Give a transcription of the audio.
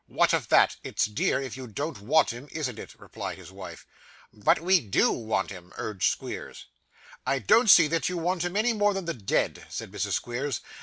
'What of that; it's dear if you don't want him, isn't it?' replied his wife. 'But we DO want him,' urged Squeers. 'I don't see that you want him any more than the dead,' said Mrs. Squeers.